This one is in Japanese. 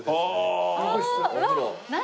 うわっ何？